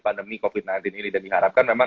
pandemi covid sembilan belas ini dan diharapkan memang